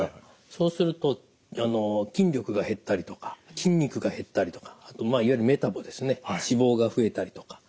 そうすると筋力が減ったりとか筋肉が減ったりとかいわゆるメタボですね脂肪が増えたりとか。